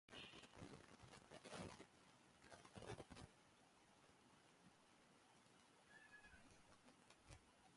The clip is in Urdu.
درخت پھل سے لدا ہوا تھا